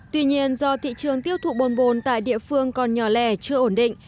tuy nhiên do thị trường tiêu thụ bồn bồn tại địa phương còn nhỏ lẻ chưa ổn định